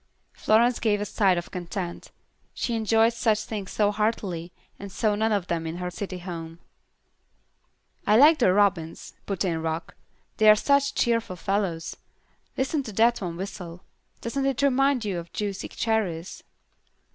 Florence gave a sigh of content. She enjoyed such things so heartily, and saw none of them in her city home. "I like the robins," put in Rock, "they are such cheerful fellows. Listen to that one whistle. Doesn't it remind you of juicy cherries?"